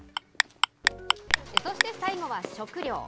そして最後は食料。